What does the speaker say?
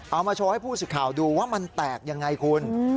เอามาโชว์ให้ผู้ศึกข่าวดูว่ามันแตกอย่างไรคุณ